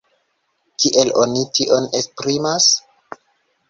Kiel oni tion esprimas?